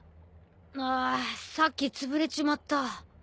あさっきつぶれちまった。